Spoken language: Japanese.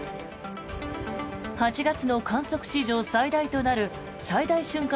８月の観測史上最大となる最大瞬間